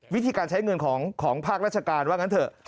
วิธีการใช้เงินของภาคราชการว่างั้นเถอะ